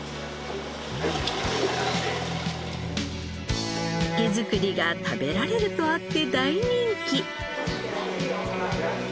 生け作りが食べられるとあって大人気！